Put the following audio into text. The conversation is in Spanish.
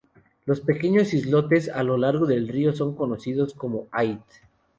Los pequeños islotes a lo largo del río son conocidos como ait.